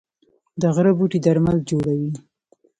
د غره بوټي درمل جوړوي